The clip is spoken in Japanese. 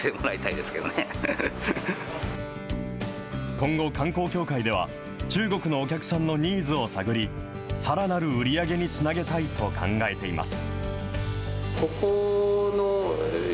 今後、観光協会では、中国のお客さんのニーズを探り、さらなる売り上げにつなげたいと考えています。